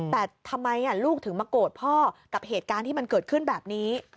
แต่ทำไมลูกถึงมาโกรธพ่อกับเหตุการณ์ที่มันเกิดขึ้นแบบนี้